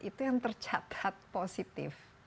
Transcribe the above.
itu yang tercatat positif